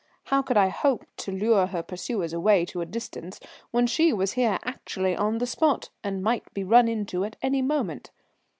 How could I hope to lure her pursuers away to a distance when she was here actually on the spot, and might be run into at any moment?